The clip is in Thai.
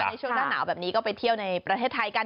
ในช่วงหน้าหนาวแบบนี้ก็ไปเที่ยวในประเทศไทยกัน